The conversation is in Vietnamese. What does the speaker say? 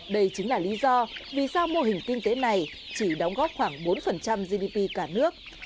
đây chính là lý do vì sao mô hình kinh tế này chỉ đóng góp khoảng bốn gdp cả nước